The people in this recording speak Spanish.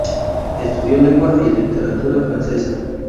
Estudió lengua y literatura francesa.